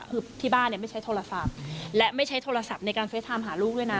คือที่บ้านเนี่ยไม่ใช้โทรศัพท์และไม่ใช้โทรศัพท์ในการเฟสไทม์หาลูกด้วยนะ